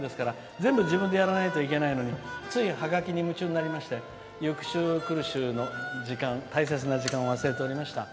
全部自分でやらなきゃいけないのについハガキに夢中になりまして「ゆく週くる週」の時間大切な時間を忘れておりました。